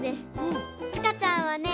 ちかちゃんはね